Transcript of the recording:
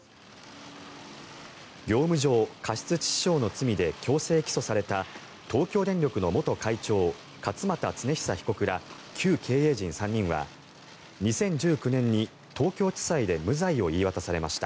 業務上過失致死傷の罪で強制起訴された東京電力の元会長勝俣恒久被告ら旧経営陣３人は２０１９年に東京地裁で無罪を言い渡されました。